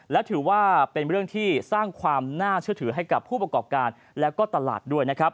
และถือว่าเป็นเรื่องที่สร้างความน่าเชื่อถือให้กับผู้ประกอบการแล้วก็ตลาดด้วยนะครับ